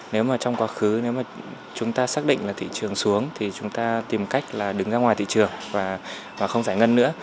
nếu mà trong quá khứ nếu mà chúng ta xác định là thị trường xuống thì chúng ta tìm cách là đứng ra ngoài thị trường và không giải ngân nữa